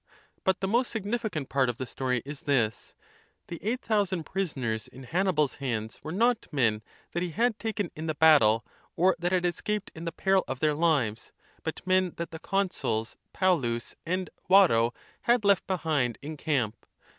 But the most significant part of the story is this : the eight thousand prisoners in Hannibars hands were not men that he had taken in the battle or that had escaped in the peril of their Hves, but men that the consuls Paulus and Varro had left behind in camp.